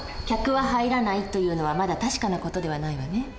「客は入らない」というのはまだ確かな事ではないわね。